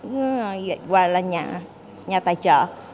hoặc là nhà tài trợ